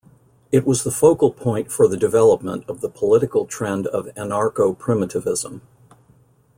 It was the focal point for the development of the political trend of anarcho-primitivism.